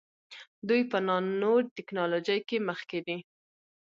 دوی په نانو ټیکنالوژۍ کې مخکې دي.